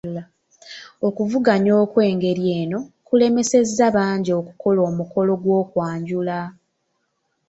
Okuvuganya okw’engeri eno kulemesezza bangi okukola omukolo gw’okwanjula.